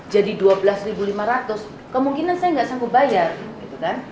jadi dua belas lima ratus kemungkinan saya nggak sanggup bayar gitu kan